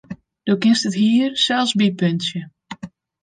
Do kinst it hier sels bypuntsje.